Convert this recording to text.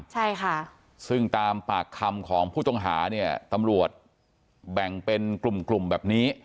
ใช่ค่ะซึ่งตามปากคำของผู้ต้องหาเนี่ยตำรวจแบ่งเป็นกลุ่มกลุ่มแบบนี้